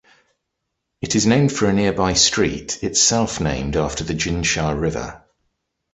It is named for a nearby street, itself named after the Jinsha River.